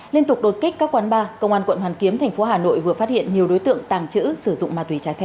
liên tục đột kích các quán bar công an tp huế vừa phát hiện nhiều đối tượng tàng chữ sử dụng ma túy trái phép